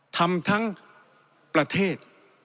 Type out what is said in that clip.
ทำทั้งประเทศ